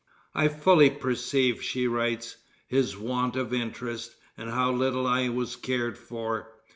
"I fully perceived," she writes, "his want of interest, and how little I was cared for.